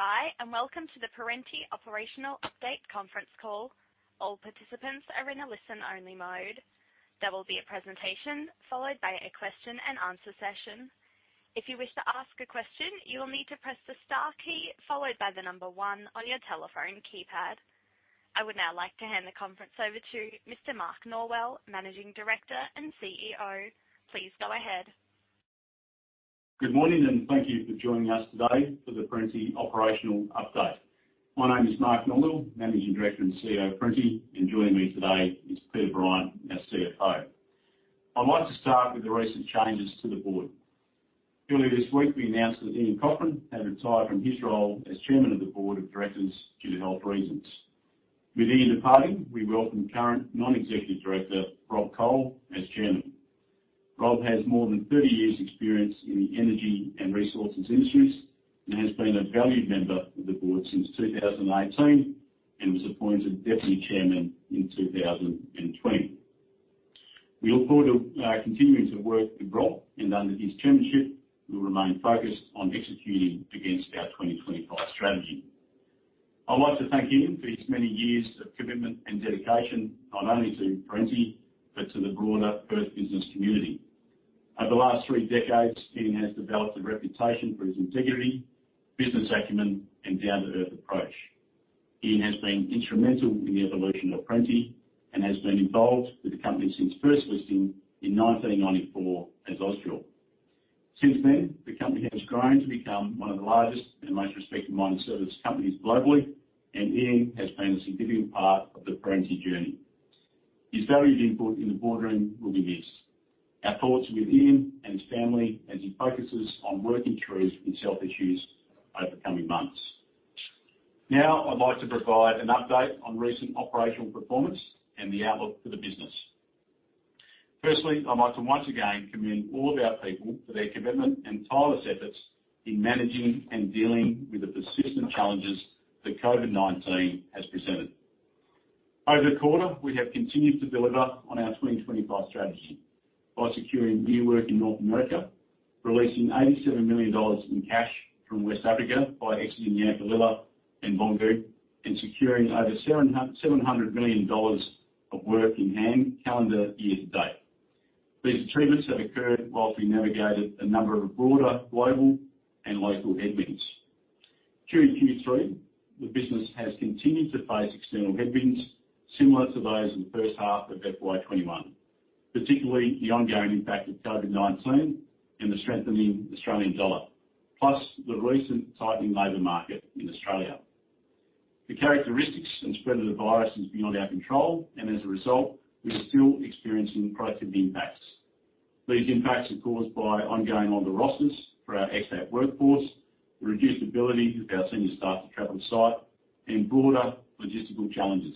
Hi, and welcome to the Perenti Operational Update conference call. All participants are in a listen-only mode. There will be a presentation followed by a question-and-answer session. If you wish to ask a question, you will need to press the star key followed by the number one on your telephone keypad. I would now like to hand the conference over to Mr. Mark Norwell, Managing Director and CEO. Please go ahead. Good morning. Thank you for joining us today for the Perenti Operational Update. My name is Mark Norwell, Managing Director and CEO of Perenti, and joining me today is Peter Bryant, our CFO. I'd like to start with the recent changes to the board. Earlier this week, we announced that Ian Cochrane had retired from his role as Chairman of the Board of Directors due to health reasons. With Ian departing, we welcome current Non-Executive Director Rob Cole as Chairman. Rob has more than 30 years experience in the energy and resources industries and has been a valued member of the board since 2018 and was appointed Deputy Chairman in 2020. We look forward to continuing to work with Rob and under his chairmanship, we'll remain focused on executing against our 2025 Strategy. I'd like to thank Ian Cochrane for his many years of commitment and dedication, not only to Perenti but to the broader Perth business community. Over the last three decades, Ian Cochrane has developed a reputation for his integrity, business acumen, and down-to-earth approach. Ian Cochrane has been instrumental in the evolution of Perenti and has been involved with the company since first listing in 1994 as Ausdrill. Since then, the company has grown to become one of the largest and most respected mining service companies globally, and Ian Cochrane has been a significant part of the Perenti journey. His valued input in the boardroom will be missed. Our thoughts are with Ian Cochrane and his family as he focuses on working through his health issues over the coming months. I'd like to provide an update on recent operational performance and the outlook for the business. Firstly, I'd like to once again commend all of our people for their commitment and tireless efforts in managing and dealing with the persistent challenges that COVID-19 has presented. Over the quarter, we have continued to deliver on our 2025 Strategy by securing new work in North America, releasing 87 million dollars in cash from West Africa by exiting Yanfolila and Boungou, and securing over 700 million dollars of work in hand calendar year to date. These achievements have occurred while we navigated a number of broader global and local headwinds. During Q3, the business has continued to face external headwinds similar to those in the first half of FY 2021, particularly the ongoing impact of COVID-19 and the strengthening Australian dollar, plus the recent tightening labor market in Australia. The characteristics and spread of the virus is beyond our control. As a result, we are still experiencing unproductive impacts. These impacts are caused by ongoing on the rosters for our expat workforce, the reduced ability of our senior staff to travel site, and broader logistical challenges.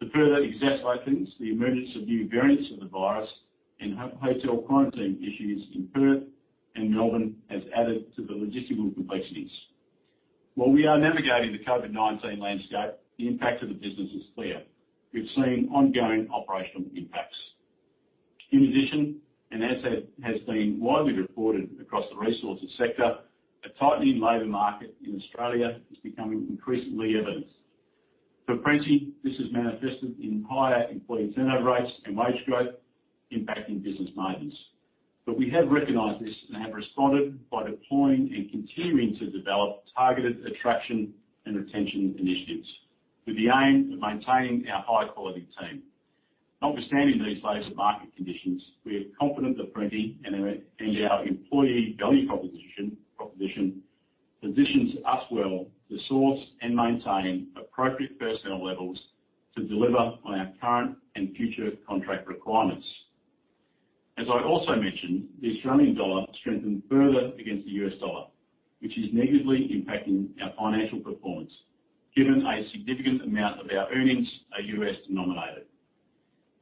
To further exacerbate things, the emergence of new variants of the virus and hotel quarantine issues in Perth and Melbourne has added to the logistical complexities. While we are navigating the COVID-19 landscape, the impact on the business is clear. We've seen ongoing operational impacts. In addition, and as it has been widely reported across the resources sector, a tightening labor market in Australia is becoming increasingly evident. For Perenti, this has manifested in higher employee turnover rates and wage growth impacting business margins. We have recognized this and have responded by deploying and continuing to develop targeted attraction and retention initiatives with the aim of maintaining our high-quality team. Notwithstanding these latest market conditions, we are confident that Perenti and our employee value proposition positions us well to source and maintain appropriate personnel levels to deliver on our current and future contract requirements. As I also mentioned, the Australian dollar strengthened further against the US dollar, which is negatively impacting our financial performance given a significant amount of our earnings are U.S.-denominated.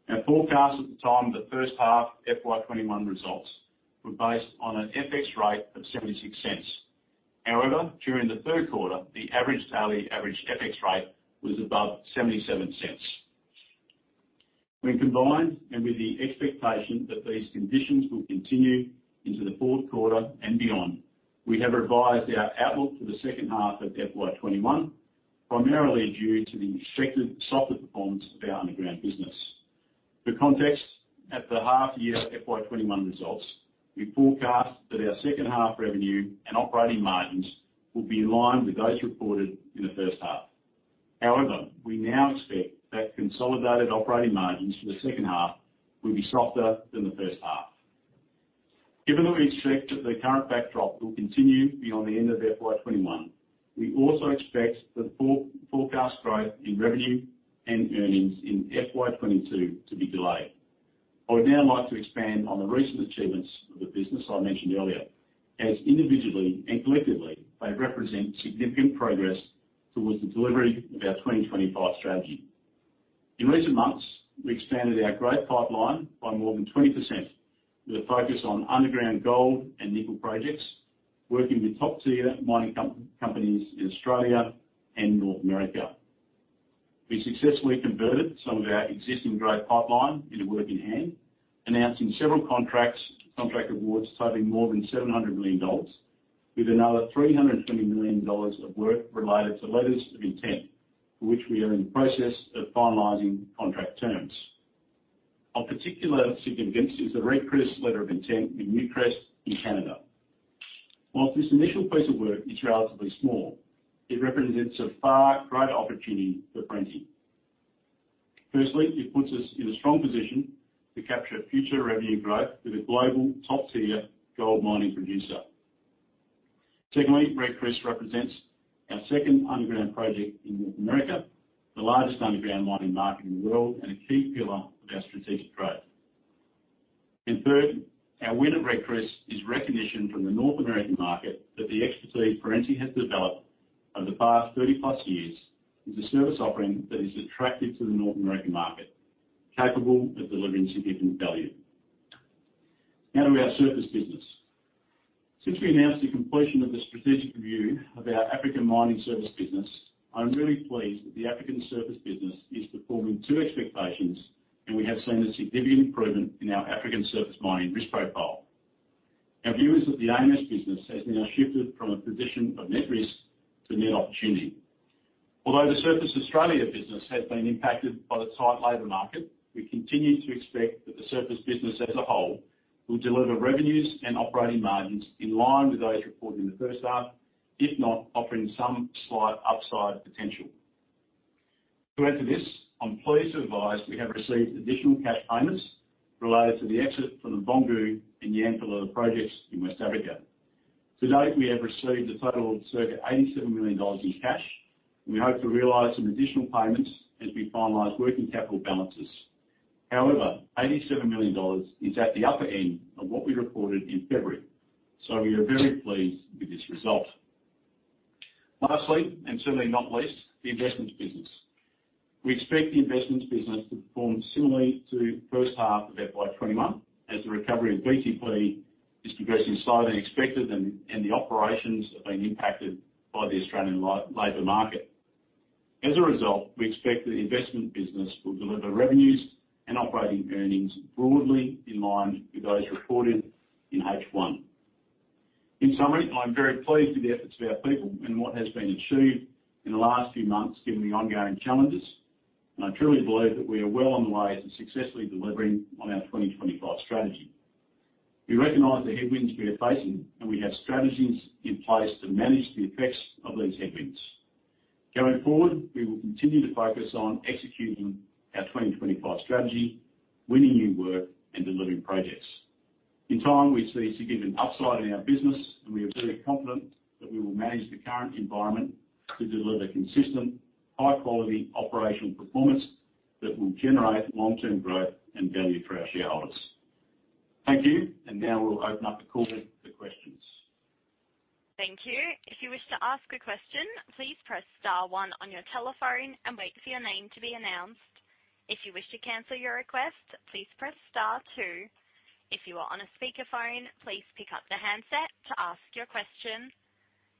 Our forecast at the time of the first half FY 2021 results were based on an FX rate of 0.76. However, during the third quarter, the average daily average FX rate was above 0.77. When combined and with the expectation that these conditions will continue into the fourth quarter and beyond, we have revised our outlook for the second half of FY 2021, primarily due to the expected softer performance of our underground business. For context, at the half year FY 2021 results, we forecast that our second half revenue and operating margins will be in line with those reported in the first half. However, we now expect that consolidated operating margins for the second half will be softer than the first half. Given that we expect that the current backdrop will continue beyond the end of FY 2021, we also expect the forecast growth in revenue and earnings in FY 2022 to be delayed. I would now like to expand on the recent achievements of the business I mentioned earlier, as individually and collectively, they represent significant progress towards the delivery of our 2025 Strategy. In recent months, we expanded our growth pipeline by more than 20% with a focus on underground gold and nickel projects, working with top-tier mining companies in Australia and North America. We successfully converted some of our existing growth pipeline into work in hand, announcing several contract awards totaling more than 700 million dollars, with another 320 million dollars of work related to letters of intent, for which we are in the process of finalizing contract terms. Of particular significance is the Red Chris letter of intent with Newcrest in Canada. Whilst this initial piece of work is relatively small, it represents a far greater opportunity for Perenti. Firstly, it puts us in a strong position to capture future revenue growth with a global top-tier gold mining producer. Red Chris represents our second underground project in North America, the largest underground mining market in the world, and a key pillar of our strategic growth. Thirdly, our win at Red Chris is recognition from the North American market that the expertise Perenti has developed over the past 30+ years is a service offering that is attractive to the North American market, capable of delivering significant value. Now to our surface business. Since we announced the completion of the strategic review of our African Mining Services business, I'm really pleased that the African surface business is performing to expectations, and we have seen a significant improvement in our African surface mining risk profile. Our views of the AMS business has now shifted from a position of net risk to net opportunity. Although the Surface Australia business has been impacted by the tight labor market, we continue to expect that the surface business as a whole will deliver revenues and operating margins in line with those reported in the first half, if not offering some slight upside potential. To add to this, I'm pleased to advise we have received additional cash payments related to the exit from the Boungou and Yanfolila projects in West Africa. To date, we have received a total of circa 87 million dollars in cash, and we hope to realize some additional payments as we finalize working capital balances. However, 87 million dollars is at the upper end of what we reported in February, so we are very pleased with this result. Lastly, and certainly not least, the Investments business. We expect the investments business to perform similarly to the first half of FY 2021, as the recovery in BTP is progressing slower than expected and the operations have been impacted by the Australian labor market. As a result, we expect that the investment business will deliver revenues and operating earnings broadly in line with those reported in H1. In summary, I'm very pleased with the efforts of our people and what has been achieved in the last few months given the ongoing challenges. I truly believe that we are well on the way to successfully delivering on our 2025 Strategy. We recognize the headwinds we are facing, and we have strategies in place to manage the effects of these headwinds. Going forward, we will continue to focus on executing our 2025 Strategy, winning new work, and delivering projects. In time, we see significant upside in our business, and we are very confident that we will manage the current environment to deliver consistent, high-quality operational performance that will generate long-term growth and value for our shareholders. Thank you. Now we'll open up the call for questions. Thank you. If you wish to ask a question, please press star one on your telephone and wait for your name to be announced. If you wish to cancel your request, please press star two. If you are on a speakerphone, please pick up the handset to ask your question.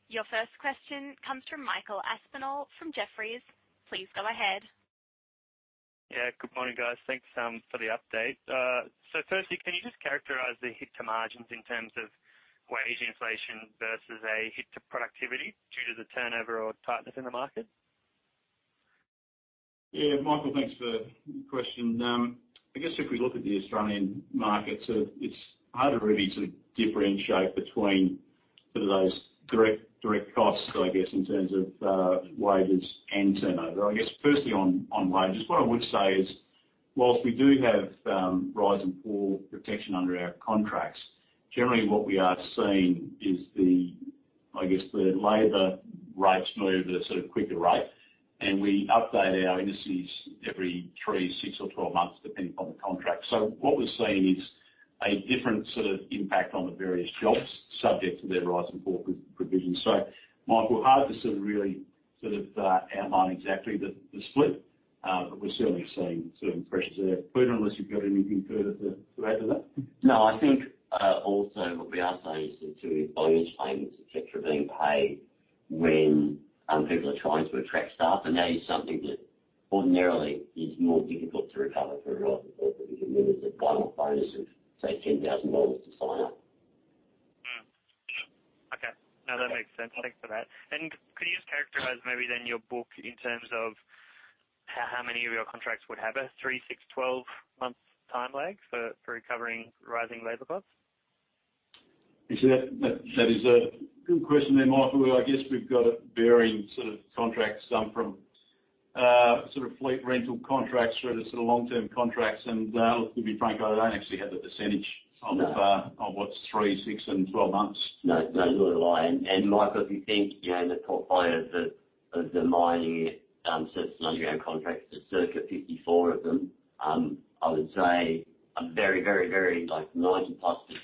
Your first question comes from Michael Aspinall from Jefferies. Please go ahead. Yeah. Good morning, guys. Thanks for the update. Firstly, can you just characterize the hit to margins in terms of wage inflation versus a hit to productivity due to the turnover or tightness in the market? Michael, thanks for the question. I guess if we look at the Australian market, it's hard to really differentiate between those direct costs, I guess, in terms of wages and turnover. I guess firstly on wages, what I would say is whilst we do have rise and fall protection under our contracts, generally what we are seeing is the labor rates move at a quicker rate, and we update our indices every three, six, or 12 months, depending upon the contract. What we're seeing is a different impact on the various jobs subject to their rise and fall provisions. Michael, hard to really outline exactly the split. We're certainly seeing certain pressures there. Peter, unless you've got anything further to add to that? I think also what we are seeing is the bonus payments, et cetera, being paid when people are trying to attract staff, and that is something that ordinarily is more difficult to recover through- Right.... if it's a one-off bonus of, say, AUD 10,000 to sign up. Okay. No, that makes sense. Thanks for that. Could you just characterize maybe then your book in terms of how many of your contracts would have a three, six, 12-month time lag for recovering rising labor costs? That is a good question there, Michael. I guess we've got varying contracts, some from fleet rental contracts through to long-term contracts. I'll be frank, I don't actually have the percentage- No... of what's three, six, and 12 months. No. Not going to lie. Michael, if you think the portfolio of the mining surface and underground contracts, there's circa 54 of them. I would say a very, very, very, like 90%+,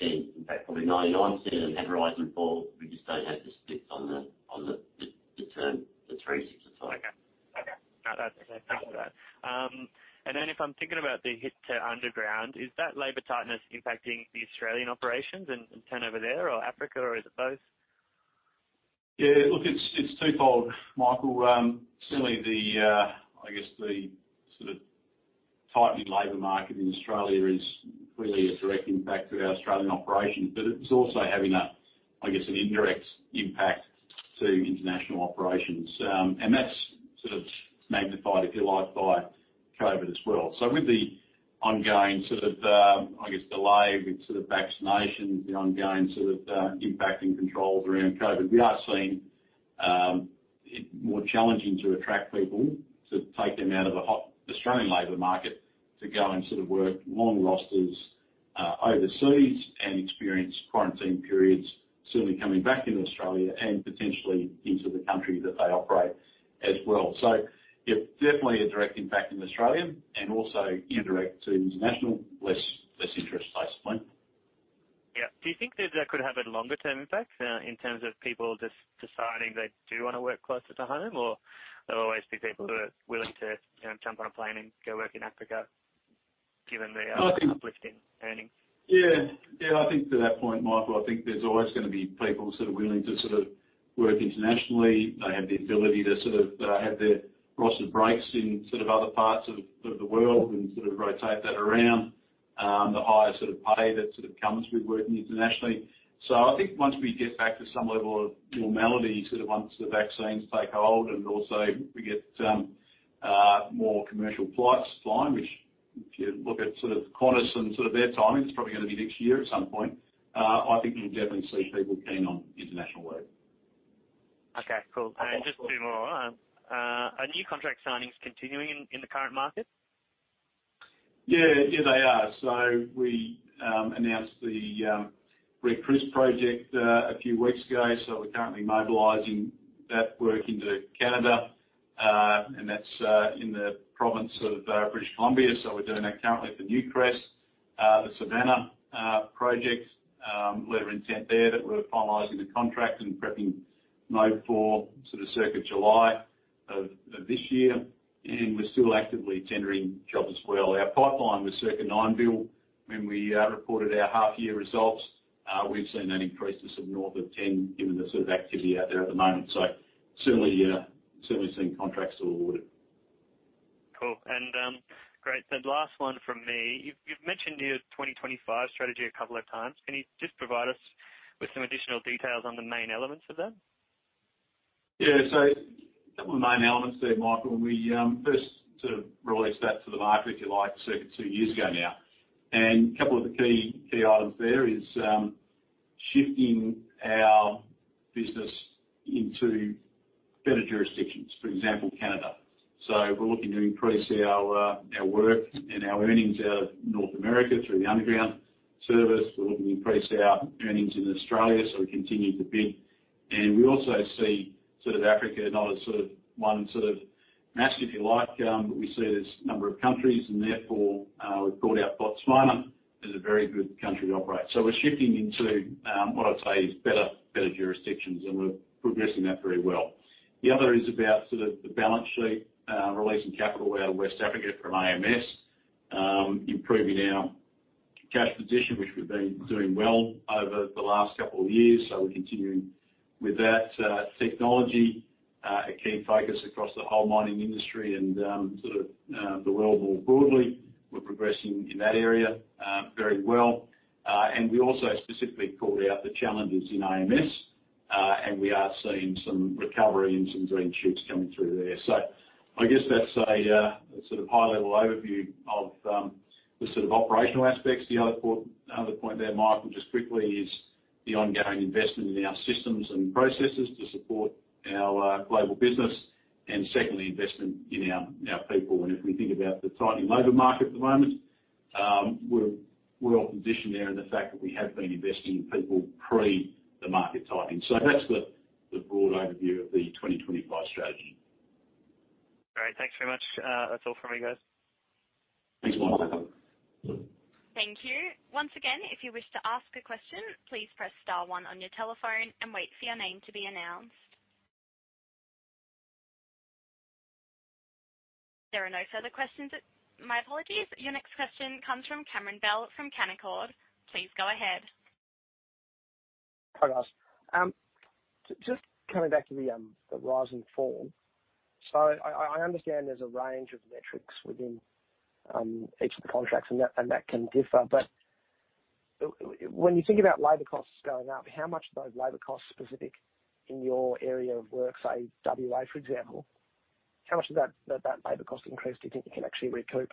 in fact probably 99% of them, have rise and fall. We just don't have the split on the term for three, six, and 12. Okay. No, that's okay. Thank you for that. If I'm thinking about the hit to underground, is that labor tightness impacting the Australian operations and turnover there or Africa, or is it both? Yeah. Look, it's twofold, Michael. Certainly, the tightening labor market in Australia is clearly a direct impact to our Australian operations, but it is also having an indirect impact to international operations. That is magnified, if you like, by COVID as well. With the ongoing delay with vaccinations, the ongoing impacting controls around COVID, we are seeing it more challenging to attract people, to take them out of the hot Australian labor market, to go and work long rosters overseas and experience quarantine periods, certainly coming back into Australia and potentially into the country that they operate as well. Yeah, definitely a direct impact in Australia and also indirect to international, less interest, basically. Yeah. Do you think that that could have a longer-term impact in terms of people just deciding they do want to work closer to home? Or there'll always be people who are willing to jump on a plane and go work in Africa, given the uplift in earnings? Yeah. I think to that point, Michael, I think there's always going to be people willing to work internationally. They have the ability to have their rostered breaks in other parts of the world and rotate that around, the higher pay that comes with working internationally. I think once we get back to some level of normality, once the vaccines take hold, and also we get some more commercial flights flying, which if you look at Qantas and their timing, it's probably going to be next year at some point. I think you'll definitely see people keen on international work. Okay, cool. No problem. Just two more. Are new contract signings continuing in the current market? Yeah. They are. We announced the Red Chris project a few weeks ago. We're currently mobilizing that work into Canada, and that's in the province of British Columbia. We're doing that currently for Newcrest. The Savannah project, letter of intent there that we're finalizing the contract and prepping mob for circa July of this year, and we're still actively tendering jobs as well. Our pipeline was circa 9 billion when we reported our half-year results. We've seen that increase to north of 10 billion given the activity out there at the moment. Certainly seeing contracts awarded. Cool. Great. Last one from me. You've mentioned your 2025 Strategy a couple of times. Can you just provide us with some additional details on the main elements of that? Yeah. A couple of main elements there, Michael. We first released that to the market, if you like, circa two years ago now. A couple of the key items there is shifting our business into better jurisdictions, for example, Canada. We're looking to increase our work and our earnings out of North America through the underground service. We're looking to increase our earnings in Australia, so we continue to bid. We also see Africa not as one mass, if you like, but we see it as a number of countries, and therefore, we've called out Botswana as a very good country to operate. We're shifting into what I'd say is better jurisdictions, and we're progressing that very well. The other is about the balance sheet, releasing capital out of West Africa from AMS, improving our cash position, which we've been doing well over the last couple of years. We're continuing with that technology, a key focus across the whole mining industry and the world more broadly. We're progressing in that area very well. We also specifically called out the challenges in AMS, and we are seeing some recovery and some green shoots coming through there. I guess that's a high-level overview of the operational aspects. The other point there, Michael, just quickly, is the ongoing investment in our systems and processes to support our global business, and secondly, investment in our people. If we think about the tightening labor market at the moment, we're well positioned there in the fact that we have been investing in people pre the market tightening. That's the broad overview of the 2025 Strategy. Great. Thanks very much. That's all from me, guys. Thanks, Michael. Thanks, Michael. Thank you. Once again. There are no further questions. My apologies. Your next question comes from Cameron Bell from Canaccord. Please go ahead. Hi, guys. Just coming back to the rise and fall. I understand there's a range of metrics within each of the contracts and that can differ. When you think about labor costs going up, how much are those labor costs specific in your area of work, say W.A., for example? How much of that labor cost increase do you think you can actually recoup?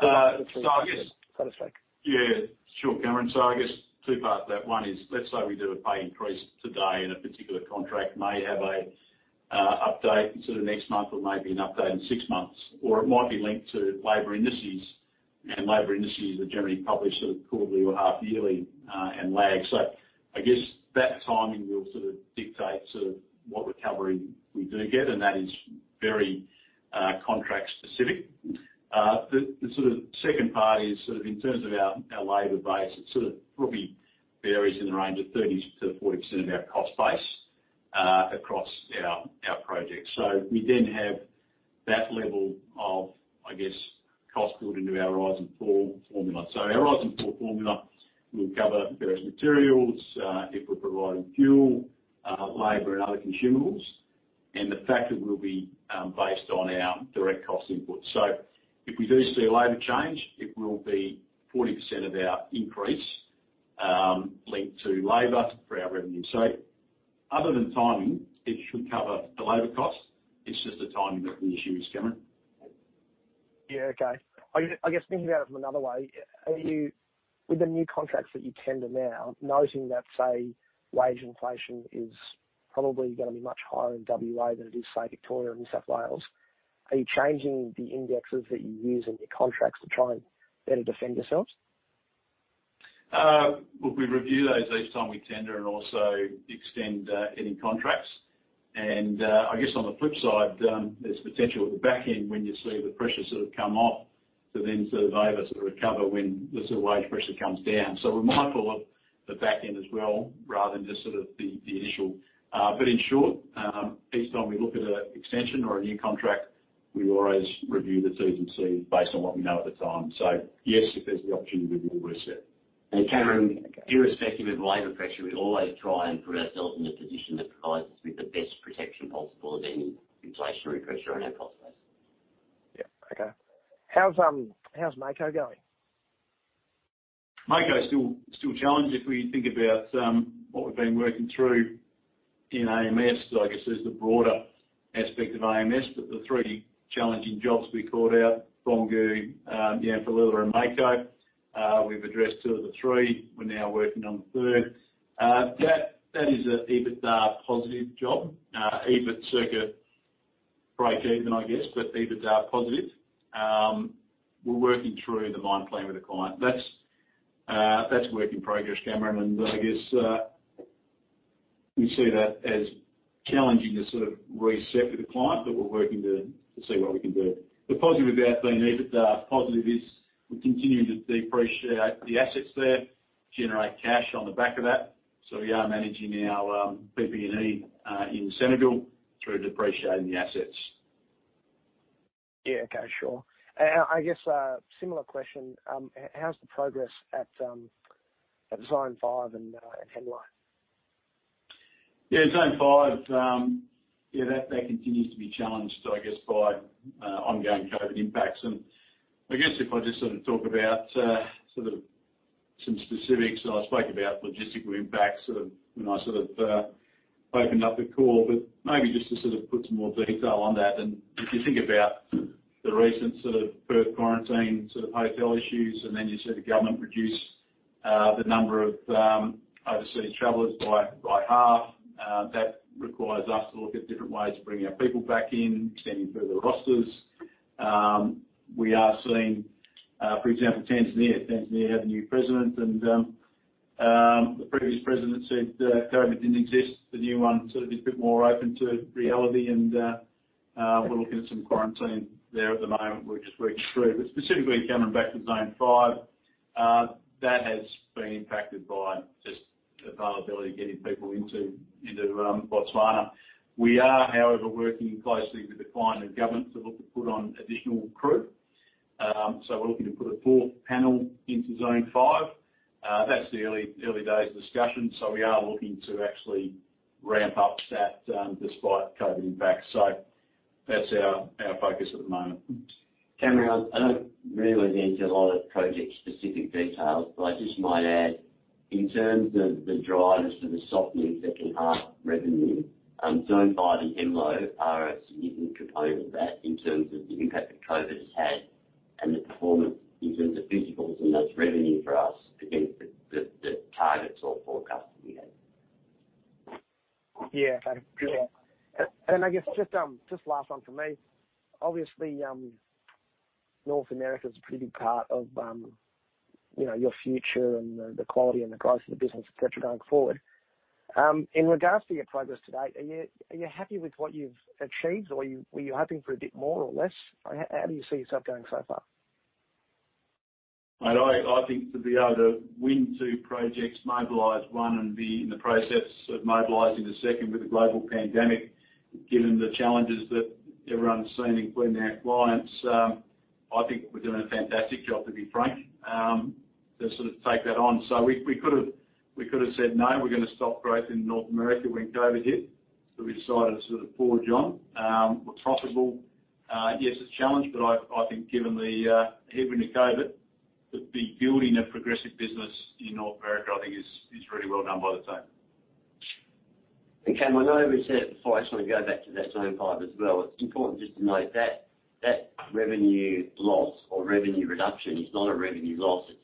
So I guess- Satisfy. Yeah, sure, Cameron. I guess two parts to that. One is, let's say we do a pay increase today, and a particular contract may have an update next month or maybe an update in six months. It might be linked to labor indices, and labor indices are generally published quarterly or half-yearly and lag. I guess that timing will dictate what recovery we do get, and that is very contract specific. The second part is in terms of our labor base, it probably varies in the range of 30%-40% of our cost base across our projects. We then have that level of cost built into our rise and fall formula. Our rise and fall formula will cover various materials, if we're providing fuel, labor, and other consumables, and the factor will be based on our direct cost input. If we do see a labor change, it will be 40% of our increase linked to labor for our revenue. Other than timing, it should cover the labor cost. It's just the timing that's the issue, Cameron. Yeah, okay. I guess thinking about it from another way, with the new contracts that you tender now, noting that, say, wage inflation is probably going to be much higher in W.A. than it is, say, Victoria or New South Wales, are you changing the indexes that you use in your contracts to try and better defend yourselves? Look, we review those each time we tender and also extend any contracts. I guess on the flip side, there's potential at the back end when you see the pressures that have come off to then survive as a recover when the wage pressure comes down. We're mindful of the back end as well, rather than just the initial. In short, each time we look at an extension or a new contract, we always review the T's and C's based on what we know at the time. Yes, if there's the opportunity, we will reset. Okay. Cameron, irrespective of labor pressure, we always try and put ourselves in a position that provides us with the best protection possible of any inflationary pressure on our cost base. Yeah. Okay. How's Mako going? Mako's still challenged. If we think about what we've been working through in AMS, I guess as the broader aspect of AMS, but the three challenging jobs we called out, Boungou, Yanfolila, and Mako. We've addressed two of the three. We're now working on the third. That is an EBITDA positive job. EBIT circa breakeven, I guess, but EBITDA positive. We're working through the mine plan with the client. That's work in progress, Cameron, and I guess we see that as challenging to reset with the client, but we're working to see what we can do. The positive about being EBITDA positive is we're continuing to depreciate the assets there, generate cash on the back of that. We are managing our PP&E in Senegal through depreciating the assets. Yeah. Okay. Sure. I guess a similar question, how's the progress at Zone 5 and Hemlo? Yeah. Zone 5, that continues to be challenged, I guess, by ongoing COVID impacts. I guess if I just talk about some specifics, and I spoke about logistical impacts when I opened up the call, but maybe just to put some more detail on that. If you think about the recent Perth quarantine hotel issues, and then you see the government reduce the number of overseas travelers by half, that requires us to look at different ways of bringing our people back in, extending further rosters. We are seeing, for example, Tanzania. Tanzania have a new president and the previous president said that COVID didn't exist. The new one is a bit more open to reality and we're looking at some quarantine there at the moment, which we're through. Specifically, Cameron, back to Zone 5, that has been impacted by just availability of getting people into Botswana. We are, however, working closely with the client and government to look to put on additional crew. We're looking to put a fourth panel into Zone 5. That's the early days discussion. We are looking to actually ramp up that despite COVID impacts. That's our focus at the moment. Cameron, I don't really want to get into a lot of project-specific details, but I just might add, in terms of the drivers for the softness that can harm revenue, Zone 5 and Hemlo are a significant component of that in terms of the impact that COVID has had and the performance in terms of physicals and that's revenue for us against the targets or forecasts that we have. Yeah. Okay. I guess just last one from me. Obviously, North America is a pretty big part of your future and the quality and the price of the business, et cetera, going forward. In regards to your progress to date, are you happy with what you've achieved or were you hoping for a bit more or less? How do you see yourself going so far? Mate, I think to be able to win two projects, mobilize one, and be in the process of mobilizing the second with the global pandemic, given the challenges that everyone's seen, including our clients, I think we're doing a fantastic job, to be frank, to take that on. We could've said, "No, we're going to stop growth in North America" when COVID-19 hit, but we decided to forge on. We're profitable. Yes, it's a challenge, but I think given the hit with the COVID-19, building a progressive business in North America, I think is really well done by the team. Cameron, I know we said it before, I just want to go back to that Zone 5 as well. It's important just to note that revenue loss or revenue reduction is not a revenue loss, it's effectively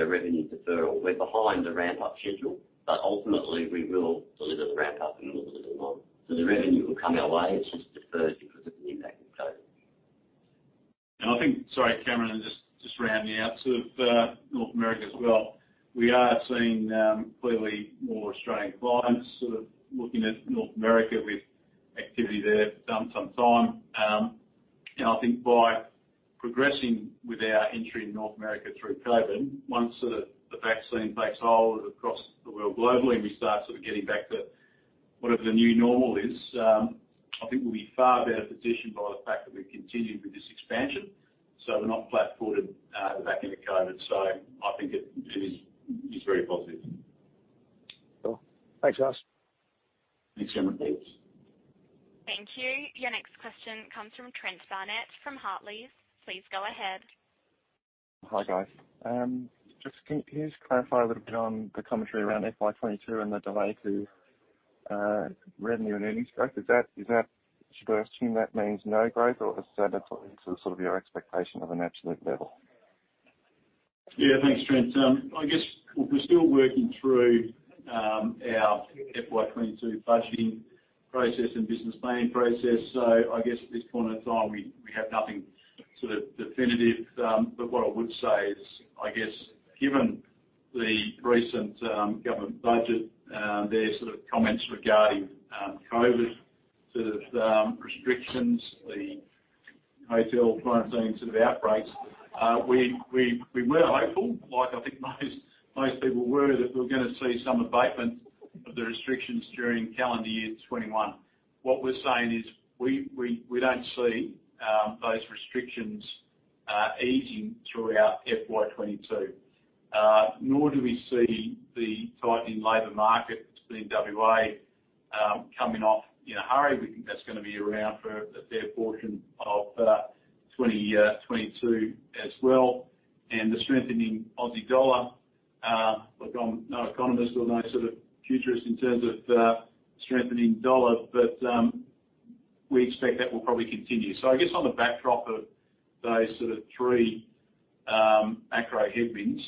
a revenue deferral. We're behind the ramp-up schedule, but ultimately we will deliver the ramp-up and we'll deliver the volume. The revenue will come our way. It's just deferred because of the impact of COVID. I think, sorry, Cameron, just rounding out North America as well. We are seeing, clearly, more Australian clients looking at North America with activity there for some time. I think by progressing with our entry in North America through COVID, once the vaccine takes hold across the world globally, and we start getting back to whatever the new normal is, I think we'll be far better positioned by the fact that we've continued with this expansion, so we're not flat-footed the back end of COVID. I think it is very positive. Cool. Thanks, guys. Thanks, Cameron. Thank you. Your next question comes from Trent Barnett from Hartleys. Please go ahead. Hi, guys. Can you just clarify a little bit on the commentary around FY 2022 and the delay to revenue and earnings growth? Should I assume that means no growth, or is that your expectation of an absolute level? Thanks, Trent. I guess we're still working through our FY 2022 budgeting process and business planning process. I guess at this point in time, we have nothing definitive. What I would say is, I guess, given the recent government budget, their comments regarding COVID-19 restrictions, the hotel quarantine outbreaks, we were hopeful, like I think most people were, that we were going to see some abatement of the restrictions during calendar year 2021. What we're saying is, we don't see those restrictions easing throughout FY 2022. Nor do we see the tightening labor market that's been in W.A. coming off in a hurry. We think that's going to be around for a fair portion of 2022 as well. The strengthening Australian dollar. Look, I'm no economist or no futurist in terms of a strengthening dollar, but we expect that will probably continue. On the backdrop of those three macro headwinds,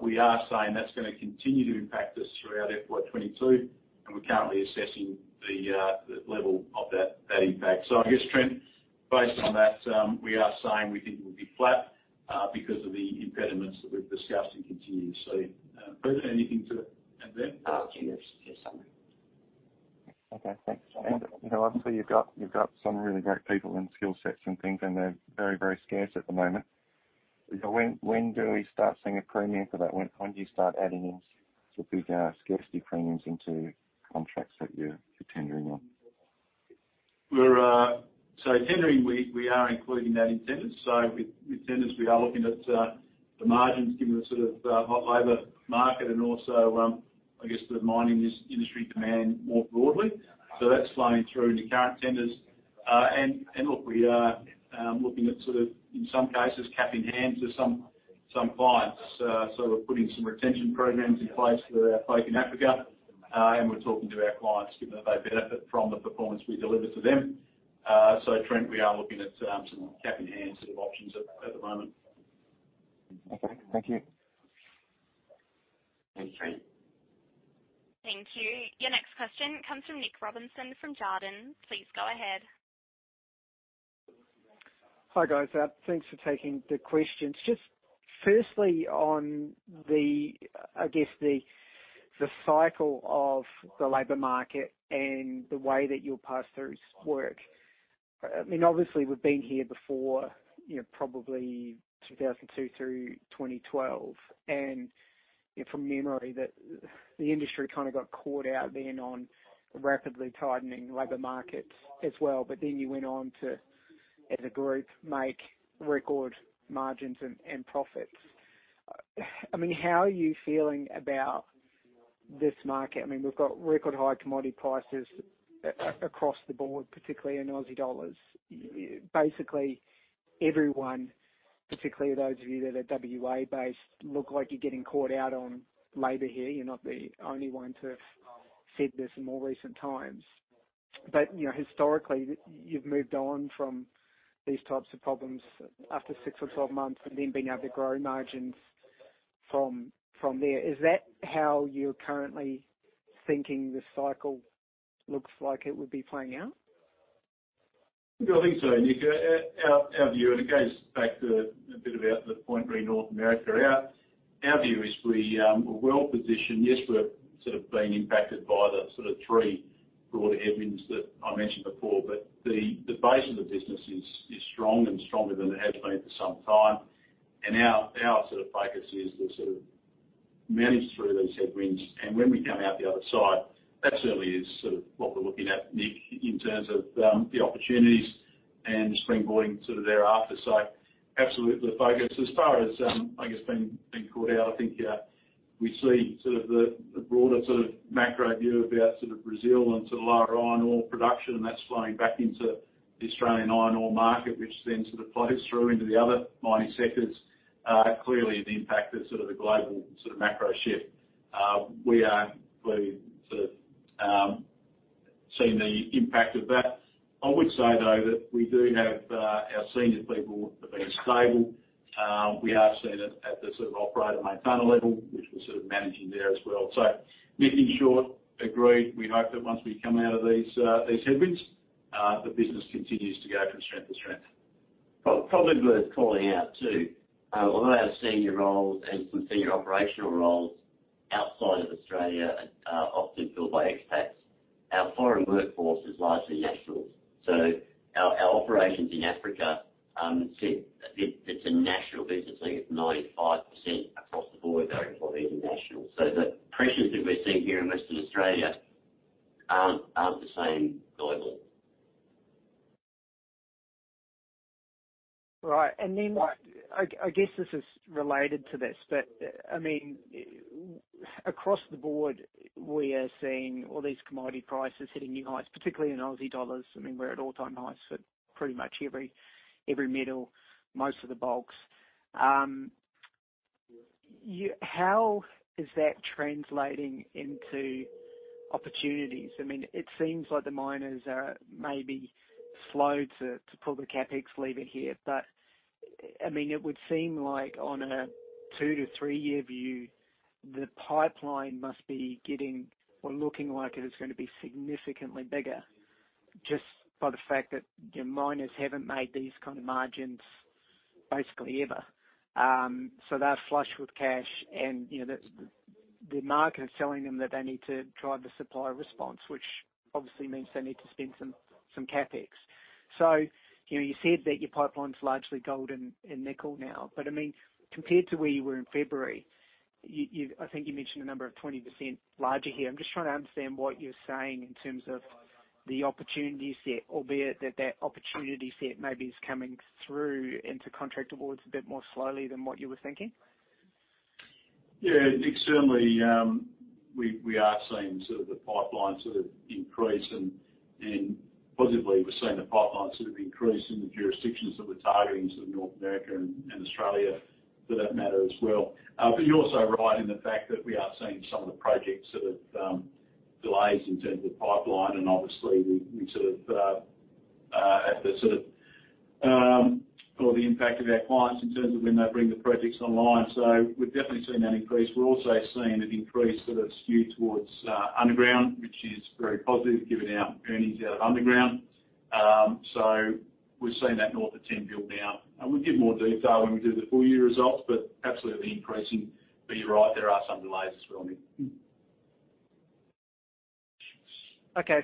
we are saying that's going to continue to impact us throughout FY 2022, and we're currently assessing the level of that impact. Trent, based on that, we are saying we think it will be flat because of the impediments that we've discussed and continue to see. Peter, anything to add there? Oh, gee, there's so many. Okay. Thanks. Obviously, you've got some really great people and skill sets and things, and they're very scarce at the moment. When do we start seeing a premium for that? When do you start adding in big scarcity premiums into contracts that you're tendering on? Tendering, we are including that in tenders. With tenders, we are looking at the margins given the hot labor market and also the mining industry demand more broadly. That's flowing through into current tenders. Look, we are looking at, in some cases, cap in hand with some clients. We're putting some retention programs in place for our folk in Africa, and we're talking to our clients, given that they benefit from the performance we deliver to them. Trent, we are looking at some cap in hand options at the moment. Okay. Thank you. Thanks, Trent. Thank you. Your next question comes from Nick Robison from Jarden. Please go ahead. Hi, guys. Thanks for taking the questions. Just firstly, on the cycle of the labor market and the way that your pass-throughs work. Obviously, we've been here before probably 2002 through 2012, and from memory, the industry got caught out then on rapidly tightening labor markets as well. You went on to, as a group, make record margins and profits. How are you feeling about this market? We've got record high commodity prices across the board, particularly in AUD. Basically, everyone, particularly those of you that are W.A.-based, look like you're getting caught out on labor here. You're not the only one to have said this in more recent times. Historically, you've moved on from these types of problems after six or 12 months and then being able to grow margins from there. Is that how you're currently thinking this cycle looks like it would be playing out? I think so, Nick. Our view, it goes back to a bit about the point re North America. Our view is we are well-positioned. Yes, we're being impacted by the three broad headwinds that I mentioned before. The base of the business is strong and stronger than it has been for some time. Our focus is to manage through those headwinds. When we come out the other side, that certainly is what we're looking at, Nick, in terms of the opportunities and springboarding thereafter. Absolutely the focus. As far as being caught out, I think we see the broader macro view about Brazil and lower iron ore production, and that's flowing back into the Australian iron ore market, which then flows through into the other mining sectors. Clearly, the impact is a global macro shift. We are clearly seeing the impact of that. I would say, though, that we do have our senior people have been stable. We have seen it at the operator/maintainer level, which we're managing there as well. Nick, in short, agreed. We hope that once we come out of these headwinds, the business continues to go from strength to strength. Probably worth calling out, too, a lot of our senior roles and some senior operational roles outside of Australia are often filled by expats. Our foreign workforce is largely nationals. Our operations in Africa, it's a national business unit. 95% across the board are employees are nationals. The pressures that we're seeing here in Western Australia aren't the same globally. Right. I guess this is related to this, but, across the board, we are seeing all these commodity prices hitting new heights, particularly in AUD. We're at all-time highs for pretty much every metal, most of the bulks. How is that translating into opportunities? It seems like the miners are maybe slow to pull the CapEx lever here. It would seem like on a two-to-three-year view, the pipeline must be getting or looking like it is going to be significantly bigger just by the fact that the miners haven't made these kind of margins basically ever. They are flush with cash and the market is telling them that they need to drive the supply response, which obviously means they need to spend some CapEx. You said that your pipeline's largely gold and nickel now, but compared to where you were in February, I think you mentioned a number of 20% larger here. I'm just trying to understand what you're saying in terms of the opportunity set, albeit that that opportunity set maybe is coming through into contract awards a bit more slowly than what you were thinking. Nick, certainly, we are seeing the pipeline increase and positively we're seeing the pipeline increase in the jurisdictions that we're targeting, so North America and Australia for that matter as well. You're also right in the fact that we are seeing some of the projects delays in terms of pipeline, and obviously we have the impact of our clients in terms of when they bring the projects online. We've definitely seen that increase. We're also seeing an increase skewed towards underground, which is very positive given our earnings out of underground. We're seeing that north of 10 billion now. We'll give more detail when we do the full year results, but absolutely increasing. You're right, there are some delays as well, Nick. Okay,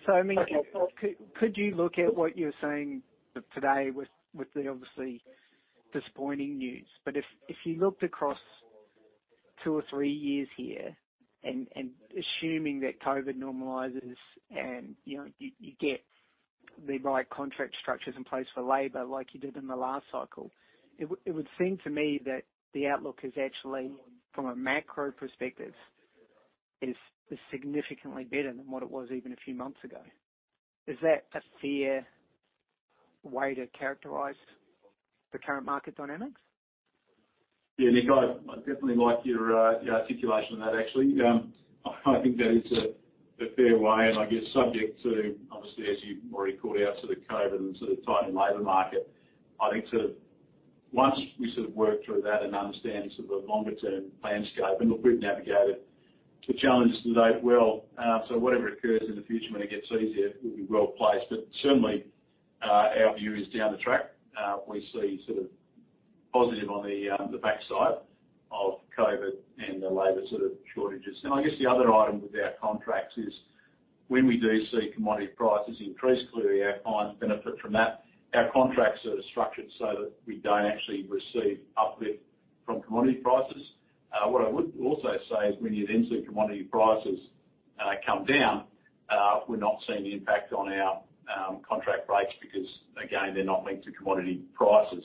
could you look at what you were saying today with the obviously disappointing news? If you looked across two or three years here and assuming that COVID normalizes and you get the right contract structures in place for labor like you did in the last cycle, it would seem to me that the outlook is actually, from a macro perspective, is significantly better than what it was even a few months ago. Is that a fair way to characterize the current market dynamics? Yeah, Nick, I definitely like your articulation of that, actually. I think that is a fair way, and I guess subject to, obviously, as you've already called out, COVID and tight labor market. I think once we work through that and understand the longer-term landscape, and look, we've navigated the challenges to date well. Whatever occurs in the future when it gets easier, we'll be well-placed. Certainly, our view is down the track. We see positive on the backside of COVID and the labor shortages. I guess the other item with our contracts is when we do see commodity prices increase, clearly our clients benefit from that. Our contracts are structured so that we don't actually receive uplift from commodity prices. What I would also say is when you then see commodity prices come down, we're not seeing the impact on our contract rates because, again, they're not linked to commodity prices.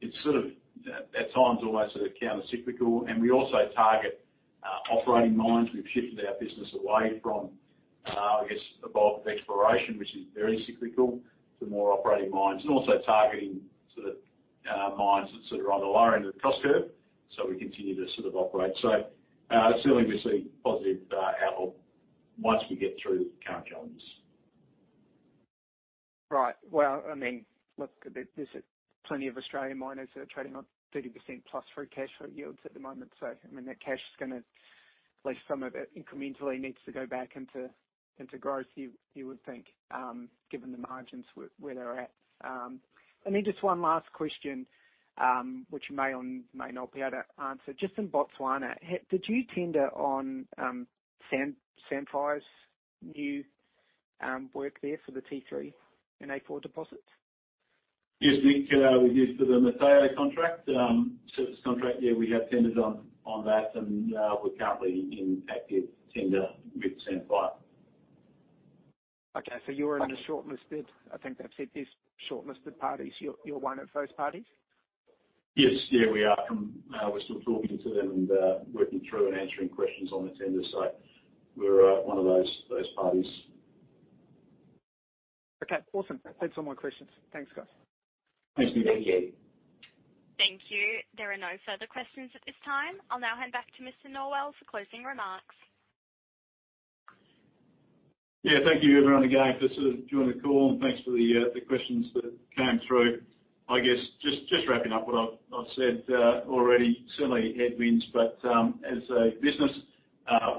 It's at times almost countercyclical. We also target operating mines. We've shifted our business away from, I guess, a bulk of exploration, which is very cyclical, to more operating mines and also targeting mines that are on the lower end of the cost curve. We continue to operate. Certainly we see positive outlook once we get through the current challenges. Well, look, there's plenty of Australian miners that are trading on 30%+ free cash flow yields at the moment. That cash is gonna, at least some of it incrementally needs to go back into growth, you would think, given the margins where they're at. Just one last question, which you may or may not be able to answer. Just in Botswana, did you tender on Sandfire's new work there for the T3 and A4 deposits? Yes, Nick. With you for the Motheo contract, service contract. Yeah, we have tendered on that, and we're currently in active tender with Sandfire. Okay. You're in the shortlisted, I think they've said there's shortlisted parties. You're one of those parties? Yes. We are. We're still talking to them and working through and answering questions on the tender. We're one of those parties. Okay, awesome. That's all my questions. Thanks, guys. Thanks, Nick. Thank you. Thank you. There are no further questions at this time. I will now hand back to Mr. Norwell for closing remarks. Thank you, everyone, again, for joining the call. Thanks for the questions that came through. I guess just wrapping up what I've said already. Certainly headwinds, but as a business,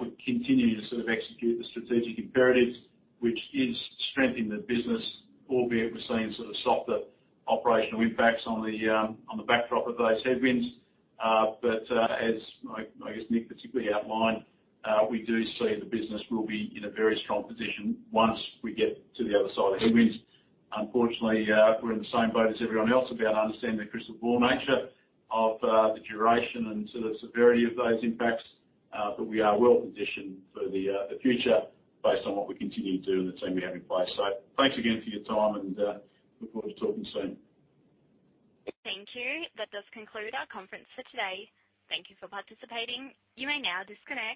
we continue to execute the strategic imperatives, which is strengthening the business, albeit we're seeing softer operational impacts on the backdrop of those headwinds. As I guess Nick particularly outlined, we do see the business will be in a very strong position once we get to the other side of the headwinds. Unfortunately, we're in the same boat as everyone else about understanding the crystal ball nature of the duration and severity of those impacts. We are well positioned for the future based on what we continue to do and the team we have in place. Thanks again for your time, and look forward to talking soon. Thank you. That does conclude our conference for today. Thank you for participating. You may now disconnect.